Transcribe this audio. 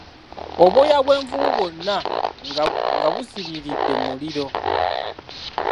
Obwoya bw'envubu bwonna nga busiriride mu muliro.